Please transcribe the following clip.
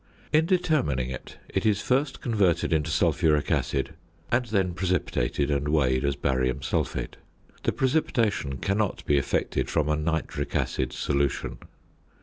In determining it, it is first converted into sulphuric acid, and then precipitated and weighed as barium sulphate. The precipitation cannot be effected from a nitric acid solution.